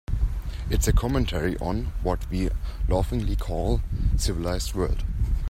It's a commentary on what we laughingly call the civilized world.